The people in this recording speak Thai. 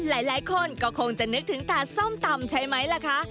หลายคนก็คงจะนึกถึงตาส้มตำใช่ไหมล่ะคะ